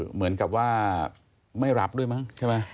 เหมือนกับว่าไม่รับด้วยมั้งใช่ไหม